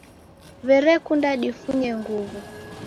W'erekunda difunye nguw'o